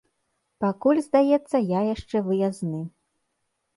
Пакуль, здаецца, я яшчэ выязны.